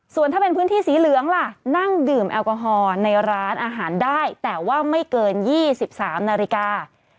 ส่วนถ้าเป็นพื้นที่สีเหลืองล่ะนั่งดื่มแอลกอฮอล์ในร้านอาหารได้แต่ว่าไม่เกิน๒๓นาฬิกา